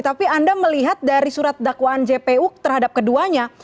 tapi anda melihat dari surat dakwaan jpu terhadap keduanya